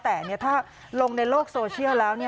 แต่ถ้าลงในโลกโซเชียลแล้ว